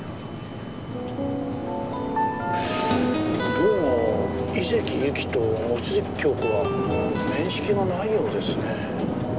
どうも井関ゆきと望月京子は面識がないようですね。